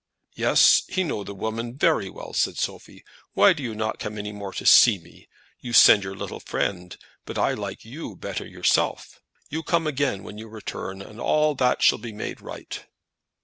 "Yes; he know the woman very well," said Sophie. "Why do you not come any more to see me? You send your little friend; but I like you better yourself. You come again when you return, and all that shall be made right."